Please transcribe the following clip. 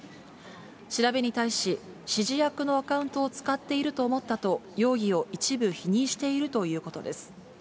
調べに対し、指示役のアカウントを使っていると思ったと、容疑を一部否認しているということです。